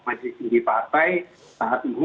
maju singgih partai saat ini